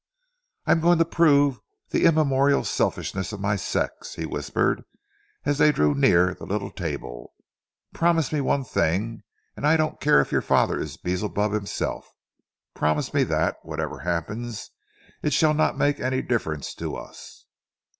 "I am going to prove the immemorial selfishness of my sex," he whispered, as they drew near the little table. "Promise me one thing and I don't care if your father is Beelzebub himself. Promise me that, whatever happens, it shall not make any difference to us?"